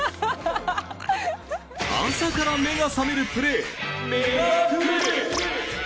朝から目が覚めるプレーメガプレ。